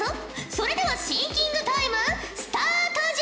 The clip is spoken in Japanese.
それではシンキングタイムスタートじゃ！